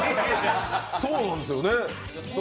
そうなんですよね